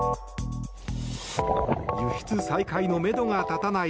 輸出再開のめどが立たない